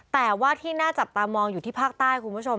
แต่ว่าที่น่าจับตามองอยู่ที่ภาคใต้คุณผู้ชม